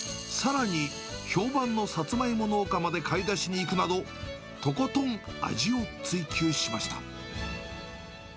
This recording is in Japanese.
さらに、評判のサツマイモ農家まで買い出しに行くなど、とことん味を追求しました。